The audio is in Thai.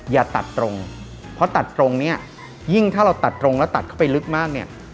อย่าตัดตรงเพราะตัดตรงเนี่ยยิ่งถ้าเราตัดตรงแล้วตัดเข้าไปลึกมากเนี่ย